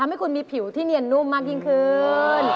ให้คุณมีผิวที่เนียนนุ่มมากยิ่งขึ้น